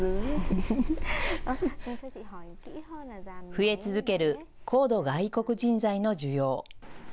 増え続ける高度外国人材の需要。